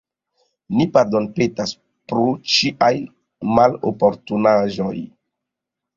Ni pardonpetas pro ĉiaj maloportunaĵoj.